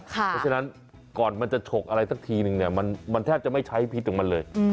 เพราะฉะนั้นก่อนมันจะฉกอะไรสักทีนึงเนี่ยมันแทบจะไม่ใช้พิษของมันเลย